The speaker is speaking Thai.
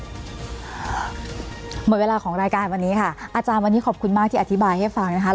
หมดเวลาของรายการวันนี้ค่ะอาจารย์วันนี้ขอบคุณมากที่อธิบายให้ฟังนะคะ